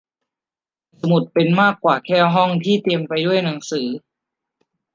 ห้องสมุดเป็นมากกว่าแค่ห้องที่เต็มไปด้วยหนังสือ